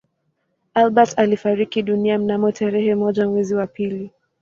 Albert alifariki dunia mnamo tarehe moja mwezi wa pili